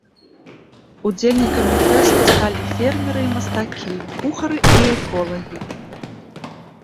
Удзельнікамі фэсту сталі фермеры і мастакі, кухары і эколагі.